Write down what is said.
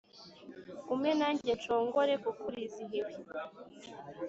Umpe nanjye Nshongore kuko urizihiwe